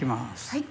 はい。